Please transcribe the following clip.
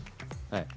はい。